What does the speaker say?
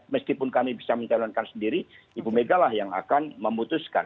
meskipun kami bisa mencalonkan sendiri ibu mega lah yang akan memutuskan